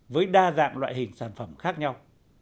với đa dạng loại hình sản phẩm khác nhau